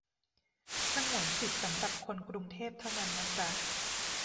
สงวนสิทธิ์สำหรับคนกรุงเทพเท่านั้นนะจ๊ะ